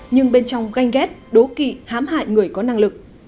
nhưng bên trong ganh ghét đố kỵ hám hại người có năng lực